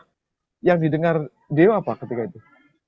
jadi apa yang didengar di depan ketika itu